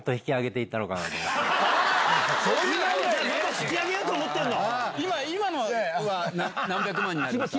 引き上げようと思ってるんだ！